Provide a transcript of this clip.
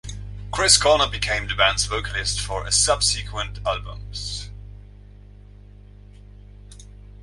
Chris Corner became the band's vocalist for subsequent albums.